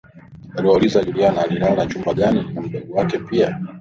Aliwauliza Juliana alilala chumba gani na mdogo wake pia